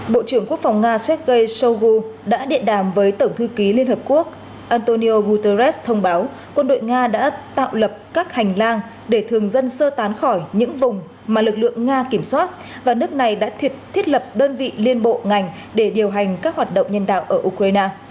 bộ trưởng quốc phòng nga sergei shoigu đã điện đàm với tổng thư ký liên hợp quốc antonio guterres thông báo quân đội nga đã tạo lập các hành lang để thường dân sơ tán khỏi những vùng mà lực lượng nga kiểm soát và nước này đã thiết lập đơn vị liên bộ ngành để điều hành các hoạt động nhân đạo ở ukraine